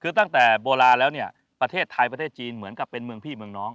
คือตั้งแต่โบราณแล้วเนี่ยประเทศไทยประเทศจีนเหมือนกับเป็นเมืองพี่เมืองน้อง